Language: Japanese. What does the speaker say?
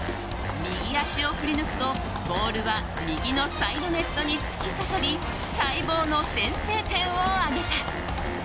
右足を振り抜くと、ボールは右のサイドネットに突き刺さり待望の先制点を挙げた。